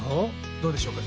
どうでしょうか？